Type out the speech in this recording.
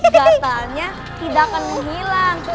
gatalnya tidak akan menghilang